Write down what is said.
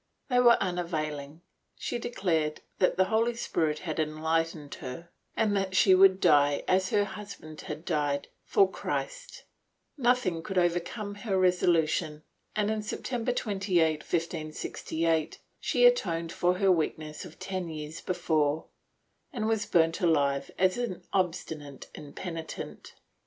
They were unavailing; she declared that the Holy Spirit had enlightened her and that she would die as her husband had died, for Christ. Nothing could overcome her resolution and, on September 28, 1568, she atoned for her weak ness of ten years before and was burnt alive as an obstinate impenitent.